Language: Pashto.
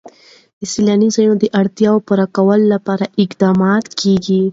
د سیلاني ځایونو د اړتیاوو پوره کولو لپاره اقدامات کېږي.